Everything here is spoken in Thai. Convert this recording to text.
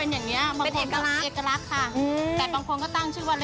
ยำวุ้นเส้น